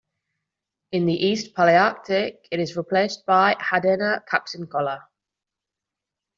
In the East Palearctic it is replaced by "Hadena capsincola".